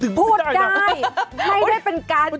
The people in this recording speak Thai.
ไม่ได้เป็นการ